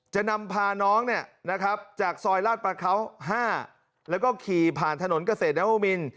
จะนำพาน้องจากซอยลาดประเขา๕แล้วก็ขี่ผ่านถนนเกษตรนวมิน